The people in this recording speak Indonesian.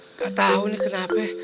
nggak tahu nih kenapa